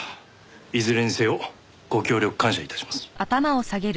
いずれにせよご協力感謝致します。